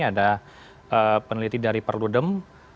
ada peneliti dari perlunding